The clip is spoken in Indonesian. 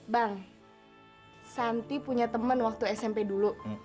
bang santi punya teman waktu smp dulu